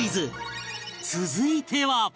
続いては